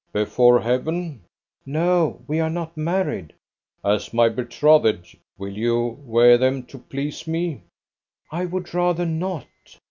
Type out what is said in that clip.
"Before heaven?" "No. We are not married." "As my betrothed, will you wear them, to please me?" "I would rather not.